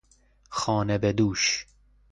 خانه به دوش